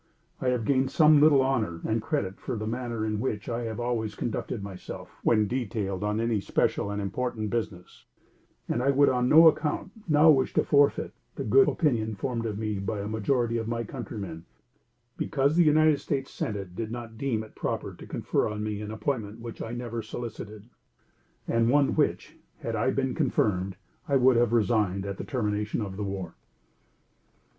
I have gained some little honor and credit for the manner in which I have always conducted myself when detailed on any special and important business, and I would on no account now wish to forfeit the good opinion formed of me by a majority of my countrymen because the United States Senate did not deem it proper to confer on me an appointment which I never solicited, and one which, had I been confirmed, I would have resigned at the termination of the war."